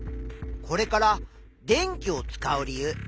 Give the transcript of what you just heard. これから電気を使う理由